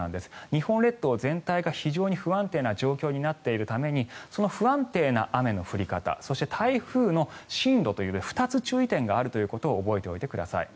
日本列島全体が非常に不安定な状況になっているためにその不安定な雨の降り方そして台風の進路という２つ注意点があるということを覚えておいてください。